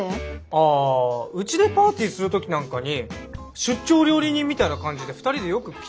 あうちでパーティーする時なんかに出張料理人みたいな感じで２人でよく来てくれるんすよ。